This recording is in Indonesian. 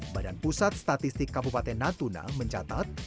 badan pusat statistik kabupaten natuna mencatat